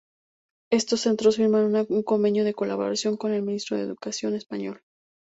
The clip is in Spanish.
Estos centros firman un convenio de colaboración con el Ministerio de Educación español.